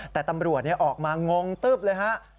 แต่ตำรวจออกมางงตึ๊บเลยฮะ